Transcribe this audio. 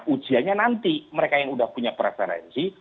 ujiannya nanti mereka yang sudah punya preferensi